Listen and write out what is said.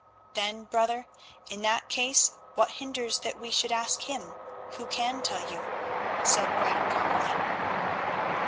"Then, brother, in that case what hinders that we should ask Him Who can tell you?" said Brant, calmly.